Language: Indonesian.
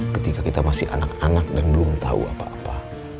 ketika kita masih anak anak dan belum tahu apa apa